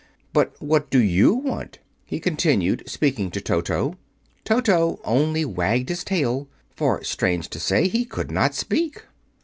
But what do YOU want?" he continued, speaking to Toto. Toto only wagged his tail; for, strange to say, he could not speak.